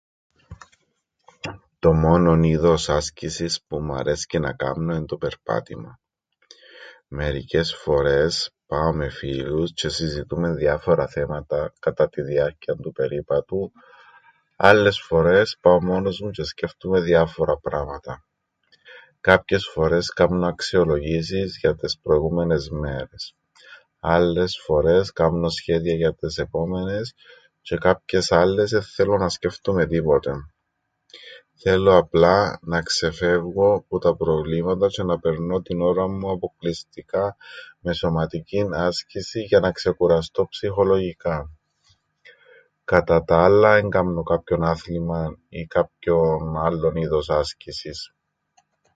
Το μόνον είδος άσκησης που μου αρέσκει να κάμνω εν' το περπάτημαν. Μερικές φορές πάω με φίλους τζ̆αι συζητούμεν διάφορα θέματα κατά την διάρκειαν του περίπατου, άλλες φορές πάω μόνος μου τζ̆αι σκέφτουμαι διάφορα πράματα. Κάποιες φορές κάμνω αξιολογήσεις για τες προηγούμενες μέρες, άλλες φορές κάμνω σχέδια για τες επόμενες τζ̆αι κάποιες άλλες εν θέλω να σκέφτουμαι τίποτε. Θέλω απλά να ξεφεύγω που τα προβλήματα τζ̆αι να περνώ την ώραν μου αποκλειστικά με σωματικήν άσκησην για να ξεκουραστώ ψυχολογικά. Κατά τα άλλα εν κάμνω κάποιον άθλημαν ή κάποιον άλλον είδος άσκησης.